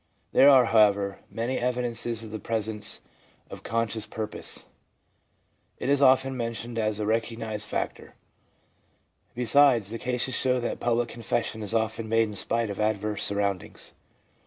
There are, however, many evidences of the presence of con scious purpose. It is often mentioned as a recognised factor. Besides, the cases show that public confession is often made in spite of adverse surroundings.